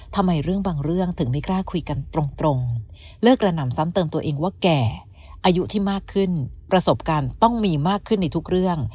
ทำไมเรื่องบางเรื่องถึงไม่กล้าคุยกันตรงเลิกกระหน่ำซ้ำเติมตัวเองว่าแก่อายุที่มากขึ้นประสบการณ์ต้องมีมากขึ้นในทุกเรื่อง